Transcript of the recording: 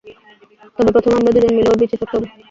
তবে, প্রথমে আমরা দুইজন মিলে ওর বিচি চটকাবো।